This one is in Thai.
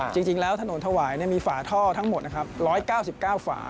จริงแล้วถนนถวายมีฝาท่อทั้งหมดนะครับ๑๙๙ฝา